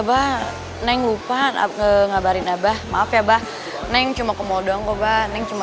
bah neng lupa ngabarin abah maaf ya bah neng cuma kemau dong obat neng cuma